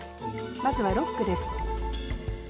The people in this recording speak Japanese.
まずは六句です